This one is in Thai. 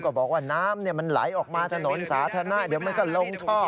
บอกว่าน้ำมันไหลออกมาถนนสาธารณะเดี๋ยวมันก็ลงท่อ